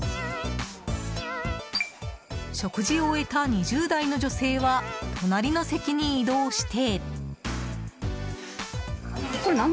食事を終えた２０代の女性は隣の席に移動して。